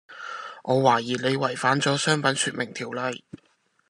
我懷疑你違反咗商品説明條例